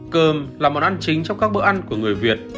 cơm là món ăn chính trong các bữa ăn của người việt